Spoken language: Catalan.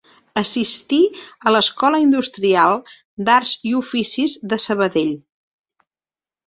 Assistí a l'Escola Industrial d'Arts i Oficis de Sabadell.